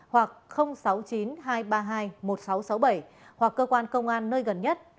hoặc sáu mươi chín hai trăm ba mươi hai một nghìn sáu trăm sáu mươi bảy hoặc cơ quan công an nơi gần nhất